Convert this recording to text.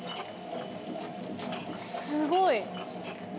すごい。